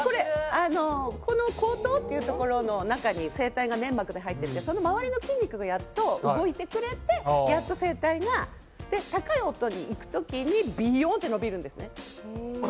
この喉頭というところのまわりに粘膜で入ってて、その周りの筋肉が動いてくれてやっと声帯が、高い音にいくときにビヨーンって伸びるんですね。